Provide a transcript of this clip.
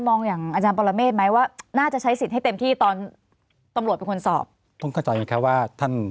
มันฟังไม่ขึ้นเพราะว่ามันเหมือนเป็นบุคคลคนเดียวกัน